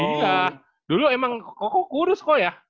iya dulu emang kok kok kurus kok ya